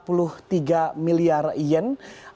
atau kalau kita lihat dari perbandingannya